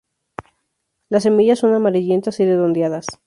Las semillas son amarillentas y redondeadas.